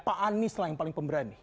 pak anies lah yang paling pemberani